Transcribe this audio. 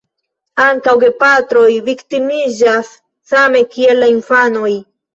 Ankaŭ gepatroj viktimiĝas same kiel la infanoj.